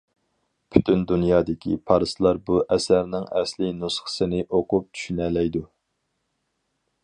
پۈتۈن دۇنيادىكى پارسلار بۇ ئەسەرنىڭ ئەسلى نۇسخىسىنى ئوقۇپ چۈشىنەلەيدۇ.